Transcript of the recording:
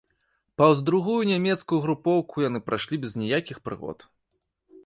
Паўз другую нямецкую групоўку яны прайшлі без ніякіх прыгод.